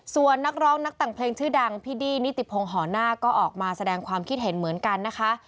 ส่วนนักร้องนักแต่งเพลงชื่อดังพี่ดี้นิติพงศ์หอหน้าก็ออกมาแสดงความคิดเห็นเหมือนกันนะคะ